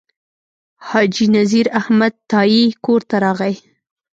حاجي نذیر احمد تائي کور ته راغی.